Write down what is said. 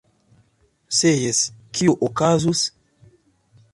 Se jes, kio okazus?!